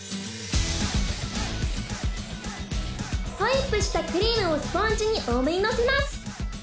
ホイップしたクリームをスポンジに多めにのせます。